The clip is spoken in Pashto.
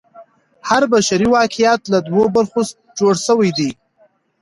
هر بشري واقعیت له دوو برخو جوړ سوی دی.